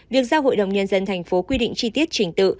việc giao hội đồng nhân dân thành phố quy định chi tiết trình tự